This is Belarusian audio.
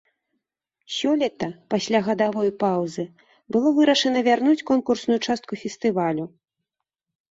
Сёлета, пасля гадавой паўзы, было вырашана вярнуць конкурсную частку фестывалю.